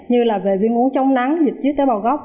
như là về viên uống trong nắng dịch chứa tế bào gốc